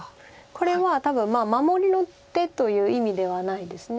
これは多分守りの手という意味ではないです。